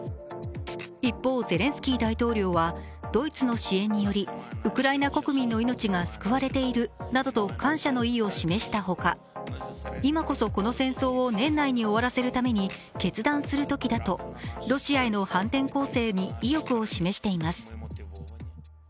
一方、ゼレンスキー大統領はドイツの支援によりウクライナ国民の命が救われているなどと感謝の意を示したほか、今こそこの戦争を年内に終わらせるために決断する時だとロシアへの反転攻勢に意欲を示しています。